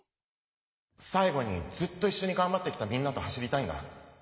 最後にずっといっしょにがんばってきたみんなと走りたいんだ。